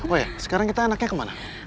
oh ya sekarang kita anaknya kemana